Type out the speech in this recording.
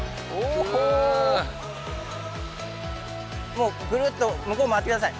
もうぐるっと向こう回って下さい。